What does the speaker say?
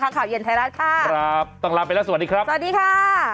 ขอบคุณค่ะเย็นไทยรัฐค่ะสวัสดีครับต้องลาไปแล้วสวัสดีครับสวัสดีค่ะ